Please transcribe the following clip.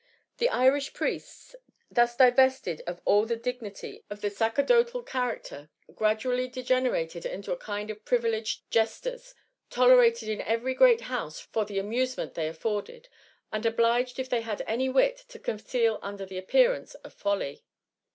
The Irish priests, thus divested of all the dig* nity of the sacerdotal character, gradually dege* nerated into a kind of privileged jesters, tole rated in every great house for the amusement they afforded, and obliged if they had any wit, to conceal under the appearance of folly.